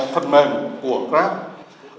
phần mềm của grab